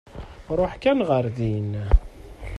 Ṛuḥ kan ɣer din.